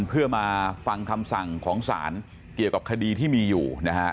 เพื่อมาฟังคำสั่งของศาลเกี่ยวกับคดีที่มีอยู่นะฮะ